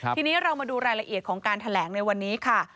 ทีนี้เรามาดูรายละเอียดของการแถลงในวันนี้ค่ะ